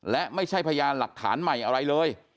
และไม่ใช่พยานหลักฐานใหม่อะไรเลย